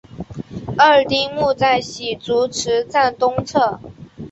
二丁目在洗足池站东侧。